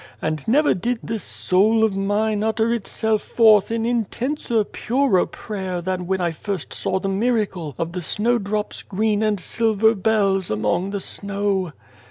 And never did this soul of mine utter itself forth in intenser, purer prayer than when I first saw the miracle of the snowdrop's green and silver bells among the snow.